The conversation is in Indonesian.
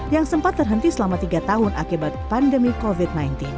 yang sempat terhenti selama tiga tahun akibat pandemi covid sembilan belas